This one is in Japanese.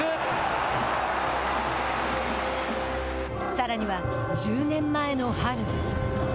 さらには１０年前の春。